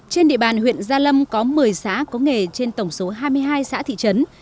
trên địa bàn huyện gia lâm có một mươi xã có nghề trên tổng số hai mươi hai xã thị trấn